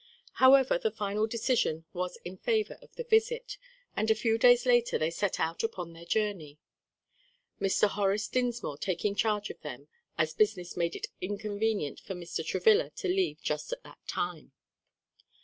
However the final decision was in favor of the visit, and a few days later they set out upon their journey; Mr. Horace Dinsmore taking charge of them, as business made it inconvenient for Mr. Travilla to leave just at that time.